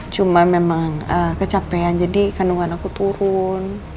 cuma memang kecapean jadi kandungan aku turun